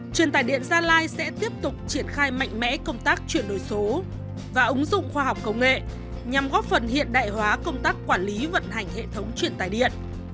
truyền tài điện gia lai sẽ tiếp tục triển khai mạnh mẽ công tác chuyển đổi số và ứng dụng khoa học công nghệ nhằm góp phần hiện đại hóa công tác quản lý vận hành hệ thống truyền tài điện